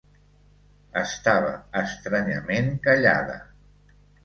Estava estranyament callada.